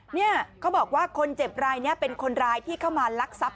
เนี่ยเขาบอกว่าคนเจ็บรายนี้เป็นคนร้ายที่เข้ามาลักทรัพย